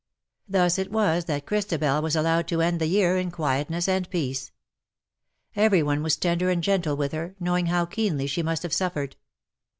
Thus it was that Christabel was allowed to end the year in quietness and peace. Every one was tender and gentle with her, knowing how keenly she must have suffered.